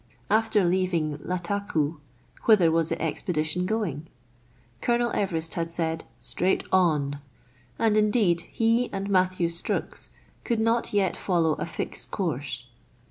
After leaving Lattakoo, whither was the expedition going .' Colonel Everest had said, " Straight on ;" and indeed he and Matthew Strux could not yet follow a fixed course.